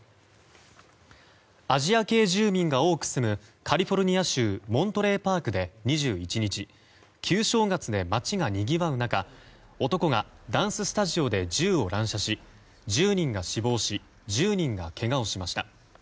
アジア系住民が多く住むカリフォルニア州モントレーパークで２１日旧正月で街がにぎわう中男がダンススタジオで銃を乱射し１０人が死亡し１０人がけがをしました。